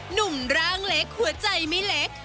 หนุ่มร่างเล็กหัวใจไม่เล็ก